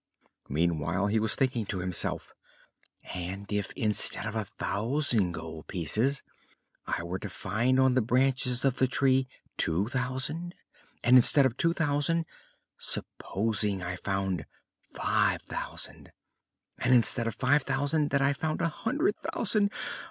Meanwhile he was thinking to himself: "And if, instead of a thousand gold pieces, I were to find on the branches of the tree two thousand? And instead of two thousand, supposing I found five thousand? and instead of five thousand, that I found a hundred thousand?